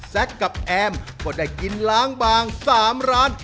แซคกับแอมพีรวัตรก็ได้กินร้างบาง๓ร้าน